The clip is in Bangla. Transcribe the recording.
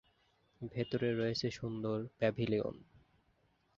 ভিতরে রয়েছে সুন্দর প্যাভিলিয়ন।